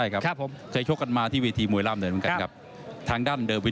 ใครชกกันมาที่วีธีมวยร่ำเหนือกันครับ